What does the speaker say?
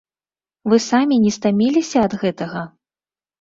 Вы самі не стаміліся ад гэтага?